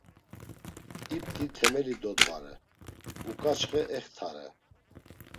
İp̌t̆i temeli dodvare, uǩaçxe extare.